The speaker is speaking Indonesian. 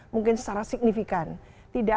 mungkin secara signifikan tidak